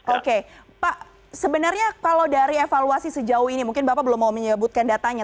oke pak sebenarnya kalau dari evaluasi sejauh ini mungkin bapak belum mau menyebutkan datanya